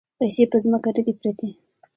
پیسې په ځمکه نه دي پرتې.